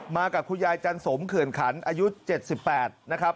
กับคุณยายจันสมเขื่อนขันอายุ๗๘นะครับ